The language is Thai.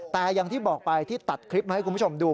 แต่อย่างที่บอกไปที่ตัดคลิปมาให้คุณผู้ชมดู